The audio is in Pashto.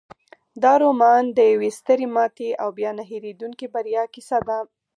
دا رومان د یوې سترې ماتې او بیا نه هیریدونکې بریا کیسه ده.